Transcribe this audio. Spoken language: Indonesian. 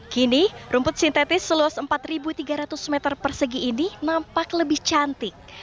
kini rumput sintetis seluas empat tiga ratus meter persegi ini nampak lebih cantik